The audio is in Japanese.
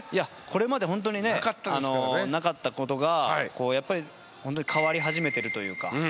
これまでホントにねなかった事がやっぱりホントに変わり始めてるというか。